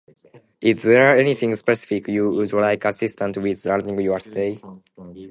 Is there anything specific you would like assistance with during your stay?